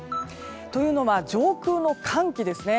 というのは上空の寒気ですね。